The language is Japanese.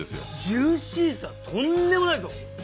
ジューシーさとんでもないですよ！